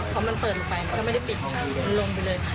พอมันเปิดลงไปมันก็ไม่ได้ปิดมันลงไปเลย